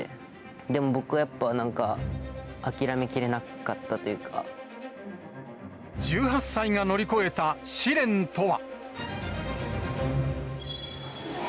でも僕はやっぱなんか、諦めきれ１８歳が乗り越えた試練とは。